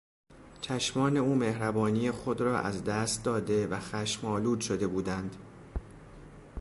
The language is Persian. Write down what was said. چشمان او مهربانی خود را از دست داده و خشم آلود شده بودند.